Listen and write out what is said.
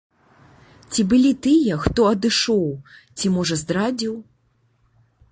Ці былі тыя хто адышоў, ці, можа, здрадзіў?